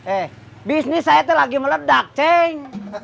eh bisnis saya itu lagi meledak ceng